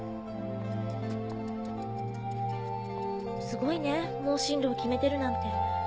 すごいねもう進路を決めてるなんて。